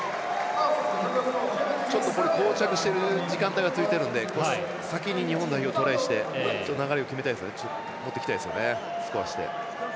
ちょっと、こう着してる時間が続いてるので先に日本代表トライして、流れを持っていきたいですよね。